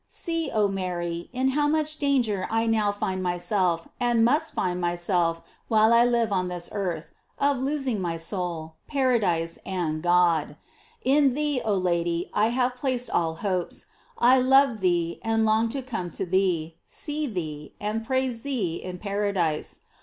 See, oh Mary, in how much danger I now find myself, and must find myself, while I live on this earth, of losing my soul, paradise, and God. In thee, oh Lady, I have placed all hopes. I love thee, and long to come to thee, eee thee, and praise thee in paradise.